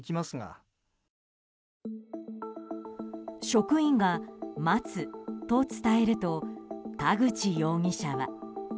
職員が待つと伝えると田口容疑者は。